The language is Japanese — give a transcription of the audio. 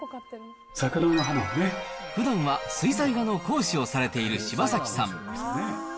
桜のふだんは水彩画の講師をされている柴崎さん。